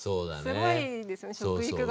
すごいですよね食育が。